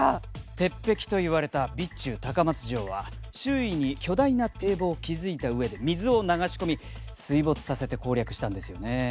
鉄壁と言われた備中高松城は周囲に巨大な堤防を築いた上で水を流し込み水没させて攻略したんですよね。